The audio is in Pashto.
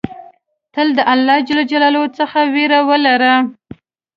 تل د الله ج څخه ویره ولره.